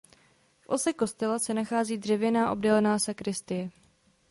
V ose kostela se nachází dřevěná obdélná sakristie.